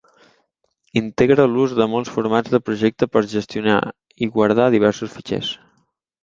Integra l'ús de molts formats de projecte per gestionar i guardar diversos fitxers.